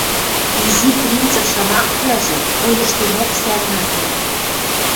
Изи принцӹн шамаквлӓжӹ вуйыштемок сӓрнӹлтӹнӹт: